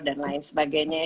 dan lain sebagainya